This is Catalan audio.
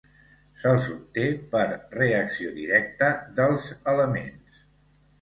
Se'ls obté per reacció directa dels elements.